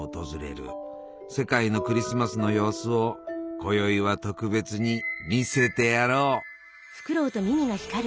世界のクリスマスの様子をこよいは特別に見せてやろう。